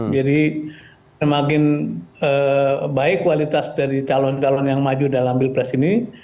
jadi semakin baik kualitas dari calon calon yang maju dalam bilpres ini